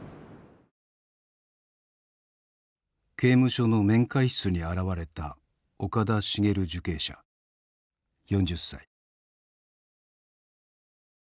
刑務所の面会室に現れた岡田茂受刑者４０歳。